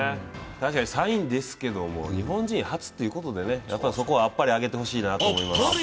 確かに３位ですけど、日本人初ということでそこはあっぱれをあげてほしいなと思います。